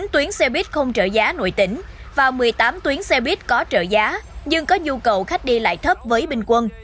chín tuyến xe buýt không trợ giá nội tỉnh và một mươi tám tuyến xe buýt có trợ giá nhưng có nhu cầu khách đi lại thấp với bình quân